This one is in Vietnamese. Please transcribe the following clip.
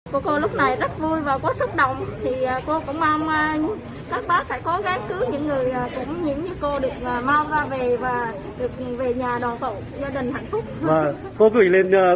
cô cô lúc này rất vui và có xúc động thì cô cũng mong các bác hãy cố gắng cứu những người cũng như cô được mau ra về và được về nhà đòi phẫu gia đình hạnh phúc